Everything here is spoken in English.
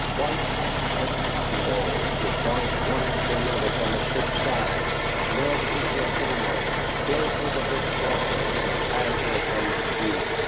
White puffs, like cotton balls, would dart one after another from a ship's side, melt into a cloud, float over her spars, and hide her from my view.